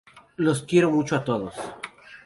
Los quiero mucho a todos".